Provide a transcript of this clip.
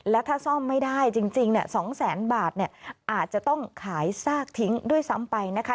และถ้าซ่อมไม่ได้จริง๒แสนบาทอาจจะต้องขายซากทิ้งด้วยซ้ำไปนะคะ